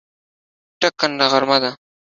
ټکنده غرمه ده